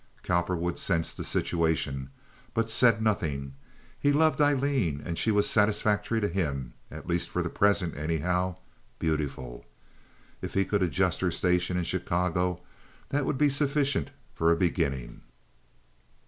Cowperwood sensed the situation, but said nothing. He loved Aileen, and she was satisfactory to him, at least for the present, anyhow, beautiful. If he could adjust her station in Chicago, that would be sufficient for a beginning.